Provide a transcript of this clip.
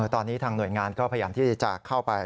ตอนนี้ทางหน่วยงานก็พยายามที่จะเข้าไป